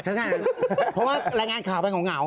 ใช่เพราะว่ารายงานข่าวไปเหงา